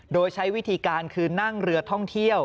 โดยใช้วิธีการคือนั่งเรือท่องเที่ยว